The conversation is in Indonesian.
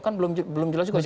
kan belum jelas juga